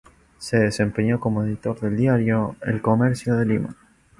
Se desempeñó como editor del diario El Comercio de Lima.